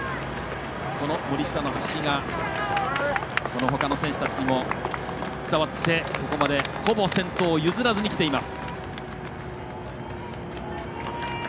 森下の走りがほかの選手たちにも伝わってここまで、ほぼ先頭を譲らずにきています。